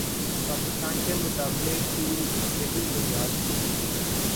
پاکستان کے مطالبے کی یہی بنیاد تھی۔